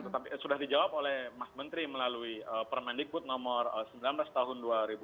tetapi sudah dijawab oleh mas menteri melalui permendikbud nomor sembilan belas tahun dua ribu dua puluh